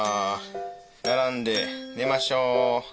並んで寝ましょう。